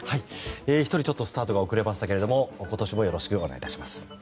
１人ちょっとスタートが遅れましたが今年もよろしくお願いいたします。